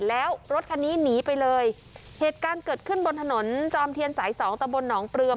แล้วรถคันนี้หนีไปเลยเหตุการณ์เกิดขึ้นบนถนนจอมเทียนสายสองตะบนหนองเปลือม